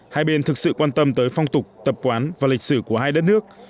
hai bên thực sự quan tâm tới phong tục tập quán và lịch sử của hai đất nước